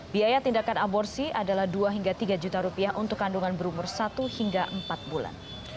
biaya tindakan aborsi adalah dua hingga tiga juta rupiah untuk kandungan berumur satu hingga empat bulan